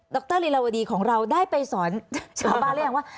รลีลาวดีของเราได้ไปสอนชาวบ้านหรือยังว่า